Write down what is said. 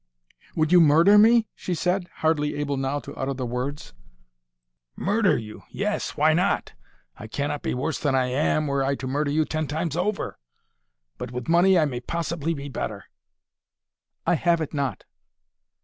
"Would you—murder me?" she said, hardly able now to utter the words. "Murder you, yes; why not? I cannot be worse than I am, were I to murder you ten times over. But with money I may possibly be better." "I have it not."